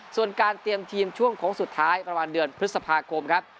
ส่วนการเตรียมทีมช่วงโค้งสุดท้ายประมาณเดือนพฤษภาคมครับ